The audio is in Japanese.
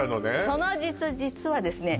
その実実はですね